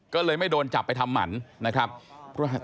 ก็เลยไม่โดนจับไปทำหมันนะครับ